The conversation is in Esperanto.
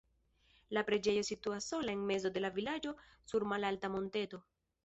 La preĝejo situas sola en mezo de la vilaĝo sur malalta monteto.